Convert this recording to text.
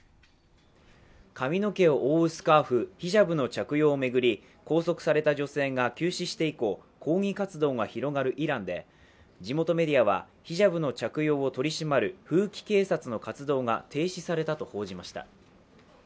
髪の毛を覆うスカーフ、ヒジャブの着用を巡り拘束された女性が急死して以降、抗議活動が広がるイランで地元メディアはヒジャブの着用を取り締まる風紀警察の活動が停止されたと報じました。